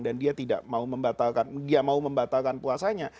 dan dia mau membatalkan puasanya